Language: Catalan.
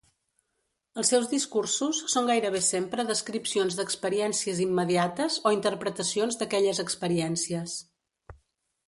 Els seus discursos són gairebé sempre descripcions d'experiències immediates o interpretacions d'aquelles experiències.